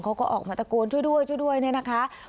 เขาก็ออกมาตะโกนช่วยด้วยช่วยด้วยเนี่ยนะคะ